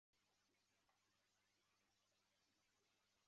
色码标示的电阻其单位取欧姆。